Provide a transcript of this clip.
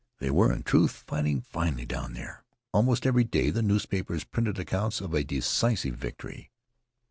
They were in truth fighting finely down there. Almost every day the newspapers printed accounts of a decisive victory.